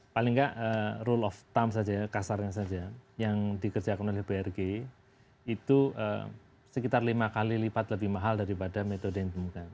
paling nggak rule of time saja ya kasarnya saja yang dikerjakan oleh brg itu sekitar lima kali lipat lebih mahal daripada metode yang dimungkinkan